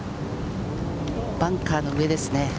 バンカーの上ですね。